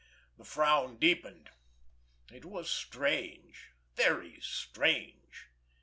The frown deepened. It was strange, very strange!